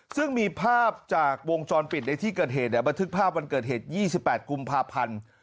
ซึ่งมีภาพจากวงจรปิดในที่เกิดเหตุบันทึกภาพวันเกิดเหตุ๒๘กุมภาพันธ์